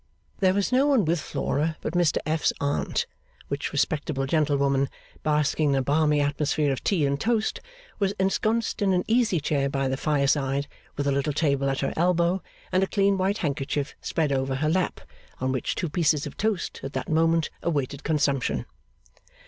There was no one with Flora but Mr F.'s Aunt, which respectable gentlewoman, basking in a balmy atmosphere of tea and toast, was ensconced in an easy chair by the fireside, with a little table at her elbow, and a clean white handkerchief spread over her lap on which two pieces of toast at that moment awaited consumption.